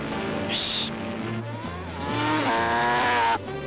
よし！